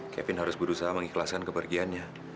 kevin harus berusaha mengikhlaskan kepergiannya